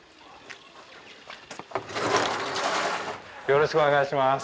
よろしくお願いします。